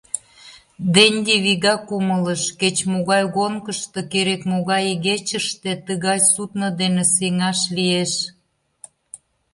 Денди вигак умылыш: кеч-могай гонкышто, керек-могай игечыште тыгай судно дене сеҥаш лиеш.